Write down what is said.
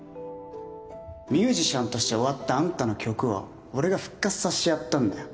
ミュージシャンとして終わったあんたの曲を俺が復活させてやったんだよ